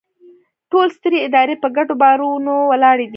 ټولې سترې ادارې په ګډو باورونو ولاړې دي.